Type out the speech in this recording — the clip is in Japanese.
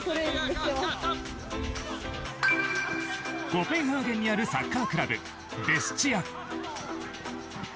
コペンハーゲンにあるサッカークラブヴェスチア。